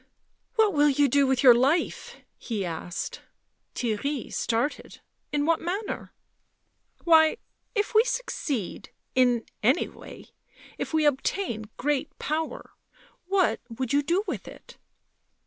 " What will you do with your life ?" he asked. Theirry started. " In what manner?" " Why, if we succeed — in any way — if we obtain great power ... what would you do with it?"